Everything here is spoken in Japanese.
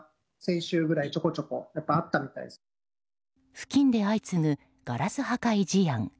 付近で相次ぐ、ガラス破壊事案。